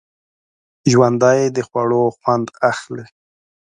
ژوندي د خوړو خوند اخلي